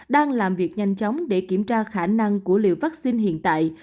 đang làm việc nhanh chóng để kiểm tra khả năng của liều vaccine hiện tại